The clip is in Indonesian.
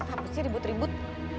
apa sih ribut ribut